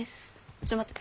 ちょっと待ってて。